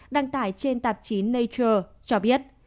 đăng tải trên tạp chí nature cho biết